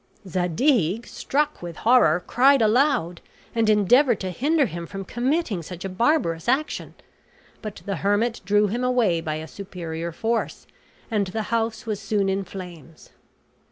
Zadig, struck with horror, cried aloud, and endeavored to hinder him from committing such a barbarous action; but the hermit drew him away by a superior force, and the house was soon in flames.